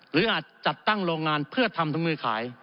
อาจจัดตั้งโรงงานเพื่อทำถุงมือขาย